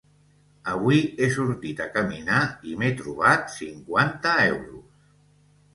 Avui he sortit a caminar i m'he trobat cinquanta euros.